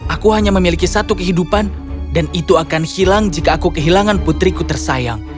aku hanya memiliki satu kehidupan dan itu akan hilang jika aku kehilangan putriku tersayang